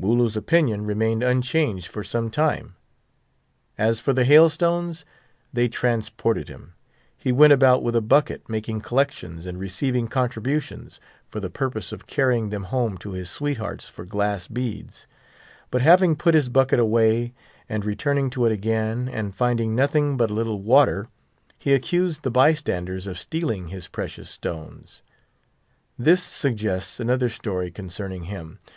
Wooloo's opinion remained unchanged for some time. As for the hailstones, they transported him; he went about with a bucket, making collections, and receiving contributions, for the purpose of carrying them home to his sweethearts for glass beads; but having put his bucket away, and returning to it again, and finding nothing but a little water, he accused the by standers of stealing his precious stones. This suggests another story concerning him.